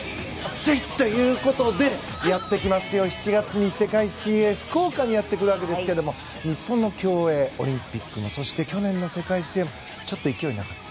せいっ！ということで７月に世界水泳福岡にやってくるわけですが日本の競泳、オリンピックもそして去年の世界水泳もちょっと勢いがなかった。